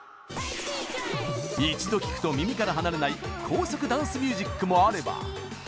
一度聴くと耳から離れない高速ダンスミュージックもあれば。